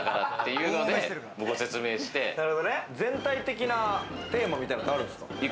全体的なテーマみたいのってあるんですか？